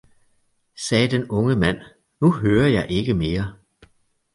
sagde den unge mand, nu hører jeg ikke mere!